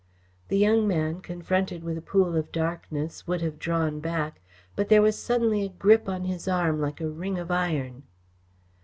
The young man, confronted with a pool of darkness, would have drawn back, but there was suddenly a grip upon his arm like a ring of iron.